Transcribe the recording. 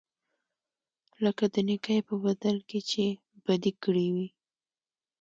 لکه د نېکۍ په بدل کې چې بدي کړې وي.